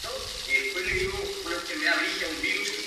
Crece en pantano y dunas pantanosas.